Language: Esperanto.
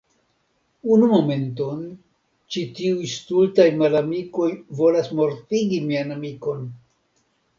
Unu momenton, ĉi tiuj stultaj malamikoj volas mortigi mian amikon.